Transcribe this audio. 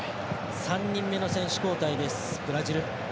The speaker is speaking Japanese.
３人目の選手交代ですブラジル。